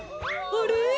あれ？